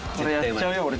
やっちゃうよ俺！